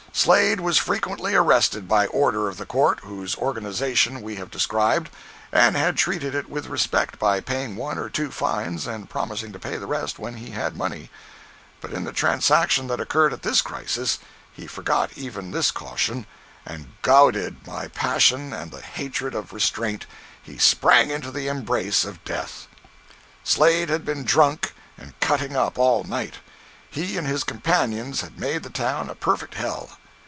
Slade was frequently arrested by order of the court whose organization we have described, and had treated it with respect by paying one or two fines and promising to pay the rest when he had money; but in the transaction that occurred at this crisis, he forgot even this caution, and goaded by passion and the hatred of restraint, he sprang into the embrace of death. Slade had been drunk and "cutting up" all night. He and his companions had made the town a perfect hell.